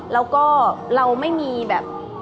แล้วก็เราไม่มีแบบ